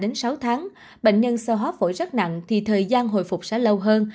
trong khám hồ hấp bệnh nhân bị sơ hóa phổi rất nặng thì thời gian hồi phục sẽ lâu hơn